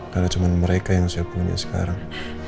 karena cuma mereka yang saya punya sekarang